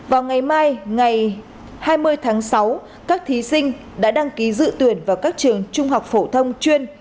vào ngày mai ngày hai mươi tháng sáu các thí sinh đã đăng ký dự tuyển vào các trường trung học phổ thông chuyên